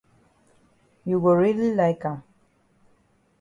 You go really like am